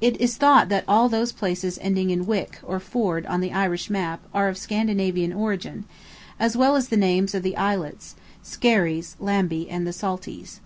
It is thought that all those places ending in wick or ford, on the Irish map, are of Scandinavian origin; as well as the names of the islets, Skerries, Lambey, and Saltees.